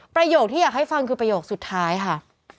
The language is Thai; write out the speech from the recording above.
ประโยคที่อยากให้ฟังคือประโยคสุดท้ายค่ะ